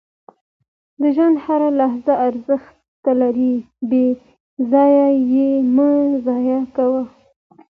• د ژوند هره لحظه ارزښت لري، بې ځایه یې مه ضایع کوه.